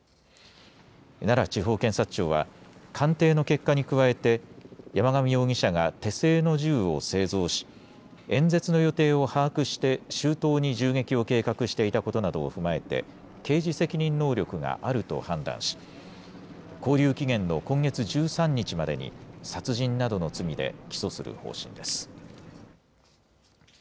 奈良地方検察庁は、鑑定の結果に加えて、山上容疑者が手製の銃を製造し、演説の予定を把握して周到に銃撃を計画していたことなどを踏まえて、刑事責任能力があると判断し、勾留期限の今月１３日までに殺人などの罪で起訴する方針です。